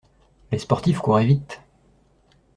Les sportifs courraient vite.